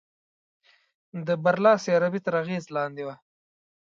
د برلاسې عربي تر اغېز لاندې ده.